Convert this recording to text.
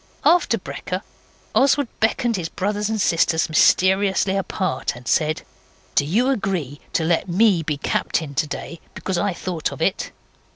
After brekker Oswald beckoned his brothers and sisters mysteriously apart and said 'Do you agree to let me be captain today, because I thought of it?